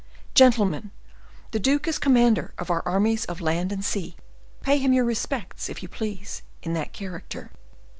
Gentlemen, the duke is commander of our armies of land and sea; pay him your respects, if you please, in that character."